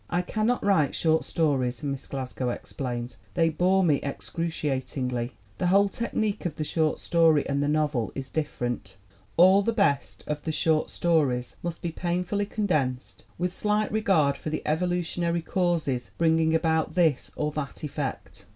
"I cannot write short stories," Miss Glasgow explains. "They bore me excruciat ingly. The whole technique of the short story and the novel is different. All the best of the short stories must be painfully condensed with slight regard for the evolutionary causes bringing about this or that effect.